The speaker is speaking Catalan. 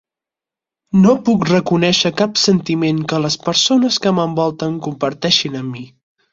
No puc reconèixer cap sentiment que les que persones que m'envolten comparteixin amb mi.